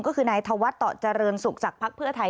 ก็คือนายธวัตเจริญศุกร์จากภักดิ์เพื่อไทย